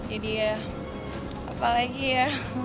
jadi ya apalagi ya